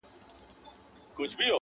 خو بدلون بشپړ نه وي هېڅکله,